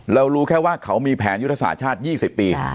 รู้แค่ว่าเขามีแผนยุทธศาสตร์ชาติ๒๐ปี